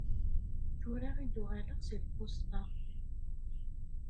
Tura i d-uɣaleɣ seg lbusṭa.